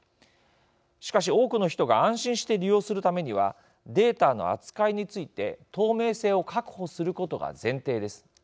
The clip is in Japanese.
しかし、多くの人が安心して利用するためにはデータの扱いについて透明性を確保することが前提です。